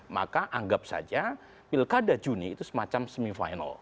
maka anggap saja pilkada juni itu semacam semifinal